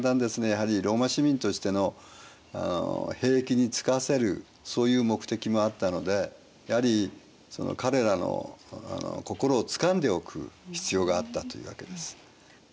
やはりローマ市民としての兵役につかせるそういう目的もあったのでやはり彼らの心をつかんでおく必要があったというわけです。